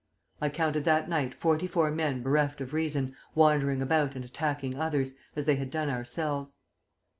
I counted that night forty four men bereft of reason wandering about and attacking others, as they had done ourselves.